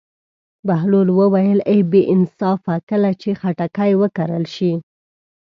بهلول وویل: ای بې انصافه کله چې خټکی وکرل شي.